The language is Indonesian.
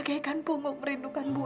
dia kan bukan muhrim kamu